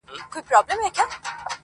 او بيا په هره پنجشنبه د يو ځوان ورا وينم_